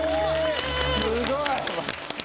すごい！